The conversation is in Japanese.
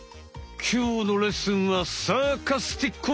きょうのレッスンはサーカスティック！